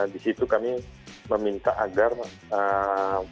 di situ kami meminta agar mohon dipertimbangkan